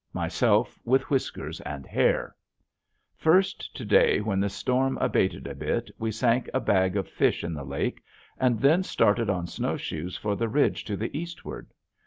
Myself with whiskers and hair! First, to day, when the storm abated a bit, we sank a bag of fish in the lake and then started on snowshoes for the ridge to the eastward.